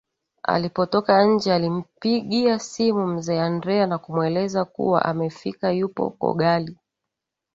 Alipotoka nje alimpigia simu mzee Andrea na kumweleza kuwa amefika yupo kogali